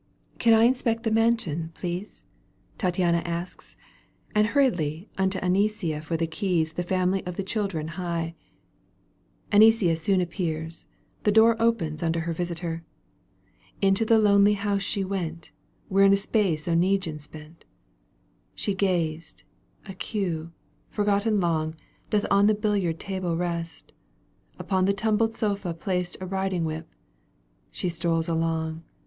Can I inspect the mansion, please ?" Tattiana asks, and hurriedly Unto Anicia for the keys The family of children hie. Digitized by CjOOQ 1С 196 EUGENE ONilGUINE. canto vil Anicia soon appears, the door Opens unto her visitor. , Into the lonely 'house she went. Wherein a space Oneguine spent. She gazed — a cue, forgotten long, ^ Doth on the billiard table rest. Upon the tumbled sofa placed, A riding whip. She strolls along.